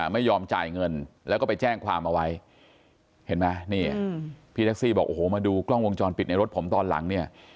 ไม่ยอมจ่ายเงินแล้วก็ไปแจ้งความเอาไว้เห็นไหมนี่พี่แท็กซี่บอกโอ้โหมาดูกล้องวงจรปิดในรถผมตอนหลังเนี่ย